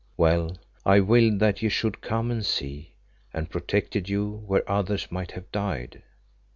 Well, I willed that ye should come and see, and protected you where others might have died."